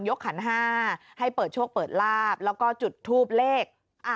ยกขัน๕ให้เปิดช่วงเปิดลาบแล้วก็จุดทูปเลข